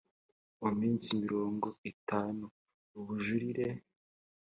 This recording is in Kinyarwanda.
mu minsi mirongo itatu ubujurire